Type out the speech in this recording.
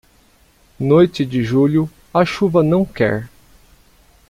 Noite de julho, a chuva não quer.